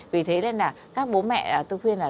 vì thế nên là các bố mẹ tôi khuyên là